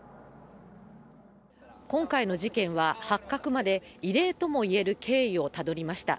今回の事件は、発覚まで異例ともいえる経緯をたどりました。